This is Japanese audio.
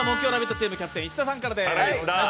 チームキャプテン・石田さんからです。